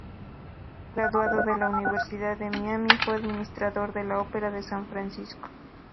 Graduado de la Universidad de Miami fue administrador de la Opera de San Francisco.